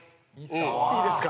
いいですか？